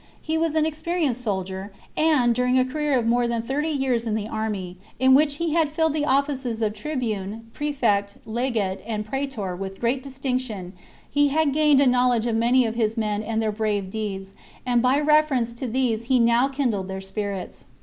He was an experienced soldier, and, during a career of more than thirty years • in the army, in which he filled the offices of tribune, praefect, legate, and praetor with great distinction, had , gained a knowledge of many of his men and their brave deeds ; and by reference to these he now kin dled their spirits.